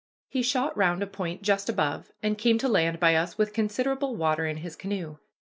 He shot round a point just above, and came to land by us with considerable water in his canoe.